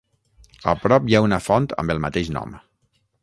A prop hi ha una font amb el mateix nom.